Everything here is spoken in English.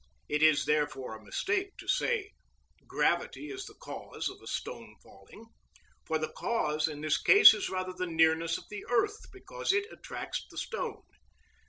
It is therefore a mistake to say "gravity is the cause of a stone falling;" for the cause in this case is rather the nearness of the earth, because it attracts the stone.